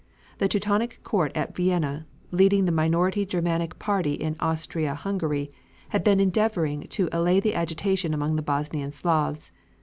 The Teutonic court at Vienna, leading the minority Germanic party in Austria Hungary, had been endeavoring to allay the agitation among the Bosnian Slavs.